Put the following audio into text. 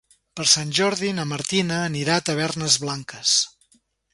Per Sant Jordi na Martina anirà a Tavernes Blanques.